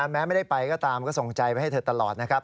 แม้ไม่ได้ไปก็ตามก็ส่งใจไปให้เธอตลอดนะครับ